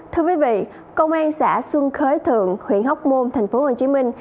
thưa quý vị công an xã xuân khới thượng huyện hóc môn tp hcm